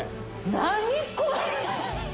何これ！？